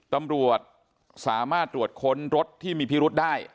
ตำรวจสามารถตรวจค้นรถที่มีพิรุษได้